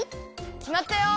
きまったよ！